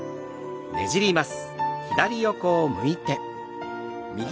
ねじります。